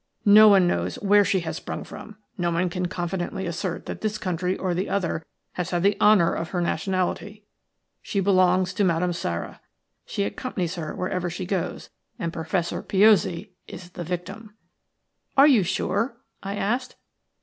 No one knows where she has sprung from; no one can confidently assert that this country or the other has had the honour of her nationality. She belongs to Madame Sara; she accompanies her wherever she goes, and Professor Piozzi is the victim." "Are you sure?" I asked.